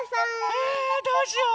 えどうしよう！